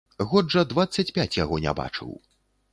Год жа дваццаць пяць яго не бачыў.